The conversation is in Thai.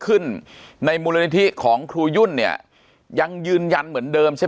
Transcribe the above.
ในมูลนิธิของครูยุ่นเนี่ยยังยืนยันเหมือนเดิมใช่ไหม